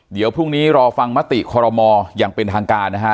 เดี๋ยวพรุ่งนี้รอฟังมติคอรมออย่างเป็นทางการนะฮะ